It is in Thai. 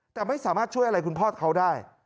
แต่ไม่สามารถช่วยอะไรคุณพ่อเขาได้